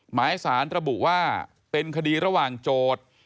หมายสารระบุว่าเป็นคดีระหว่างโจทย์